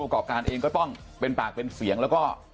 ประกอบการเองก็ต้องเป็นปากเป็นเสียงแล้วก็